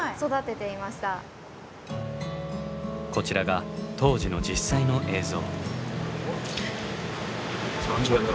こちらが当時の実際の映像。